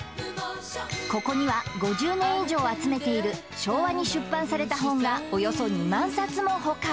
ここには５０年以上集めている昭和に出版された本がおよそ２万冊も保管